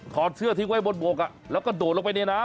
อดเสื้อทิ้งไว้บนบกแล้วก็โดดลงไปในน้ำ